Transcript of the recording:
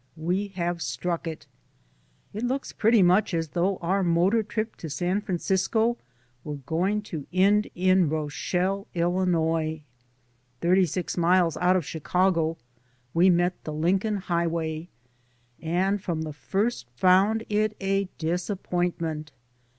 WE have strack it I It looks pretty much as though our motor trip to San Francisco were going to end in Bochelle, Illinois. Thirty six miles out of Chicago we met the Lincoln Highway and from the first found it a disappointment.